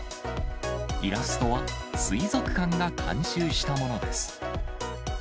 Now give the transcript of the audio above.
イラストは水族館が監修したものです。